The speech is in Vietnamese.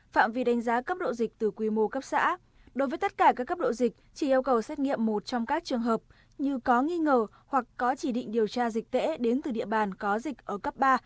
phạm vi đánh giá cấp độ dịch từ quy mô cấp xã đối với tất cả các cấp độ dịch chỉ yêu cầu xét nghiệm một trong các trường hợp như có nghi ngờ hoặc có chỉ định điều tra dịch tễ đến từ địa bàn có dịch ở cấp ba